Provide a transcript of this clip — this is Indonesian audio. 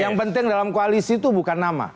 yang penting dalam koalisi itu bukan nama